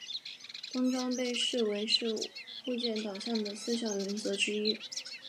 封装被视为是物件导向的四项原则之一。